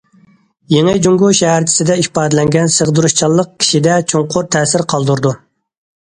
يېڭى جۇڭگو شەھەرچىسىدە ئىپادىلەنگەن سىغدۇرۇشچانلىق كىشىدە چوڭقۇر تەسىر قالدۇرىدۇ.